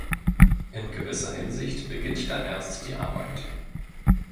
In gewisser Hinsicht beginnt da erst die Arbeit.